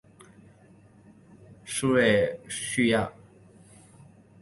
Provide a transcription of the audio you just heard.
瑞克叙埃。